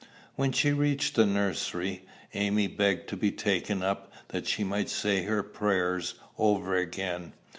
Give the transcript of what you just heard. When she reached the nursery, Amy begged to be taken up that she might say her prayers over again.